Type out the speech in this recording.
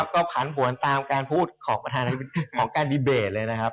ก็ผันผวนตามการพูดของประธานของการดีเบตเลยนะครับ